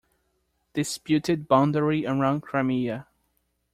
Disputed boundary around Crimea.